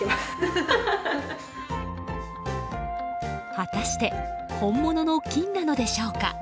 果たして本物の金なのでしょうか？